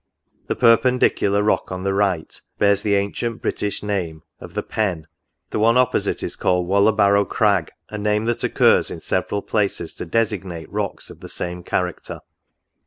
The per pendicular rock on the right bears the ancient British name of The Pen; the one opposite is called Walla barrow Crag, a name that occurs in several places to designate rocks of the same character.